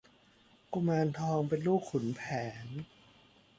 กุมารทองเป็นลูกขุนแผน